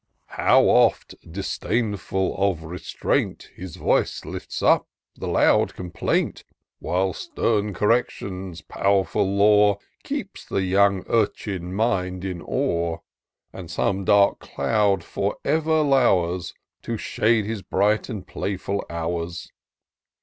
How oft, disdainful of restraint, His voice lifts up the loud complaint. While stem correction's pow'rful law Keeps the young urchin mind in awe. And some dark cloud for ever low'rs. To shade his bright and playful hours